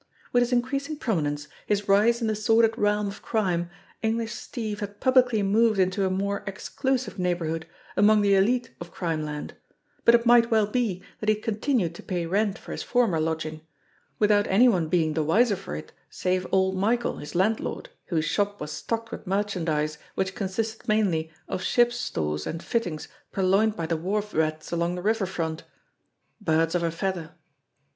With his increasing prominence, his rise in the sordid realm of crime, English Steve had publicly moved into a more "exclusive" neighbourhood among the elite of Crime land ; but it might well be that he had continued to pay rent for his former lodging without any one being the wiser for it save old Michael, his landlord, whose shop was stocked with merchandise which consisted mainly of ships' stores and fittings purloined by the wharf rats along the river front! Birds of a feather